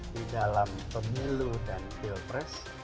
di dalam pemilu dan pilpres